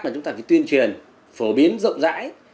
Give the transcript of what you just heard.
mà chúng ta phải tuyên truyền phổ biến rộng rãi